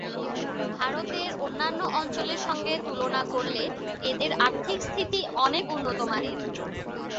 ভারতের অন্যান্য অঞ্চলের সঙ্গে তুলনা করলে এদের আর্থিক স্থিতি অনেক উণ্ণতমানের।